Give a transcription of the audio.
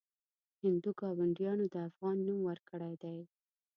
هندو ګاونډیانو د افغان نوم ورکړی دی.